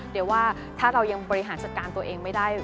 เดี๋ยวว่าถ้าเรายังบริหารจัดการตัวเองไม่ได้